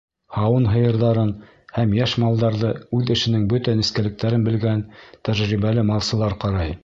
Һауын һыйырҙарын һәм йәш малдарҙы үҙ эшенең бөтә нескәлектәрен белгән тәжрибәле малсылар ҡарай.